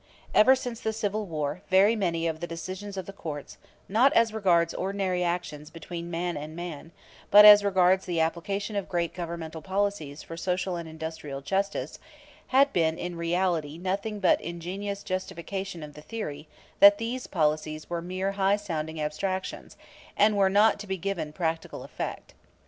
Ever since the Civil War very many of the decisions of the courts, not as regards ordinary actions between man and man, but as regards the application of great governmental policies for social and industrial justice, had been in reality nothing but ingenious justification of the theory that these policies were mere high sounding abstractions, and were not to be given practical effect.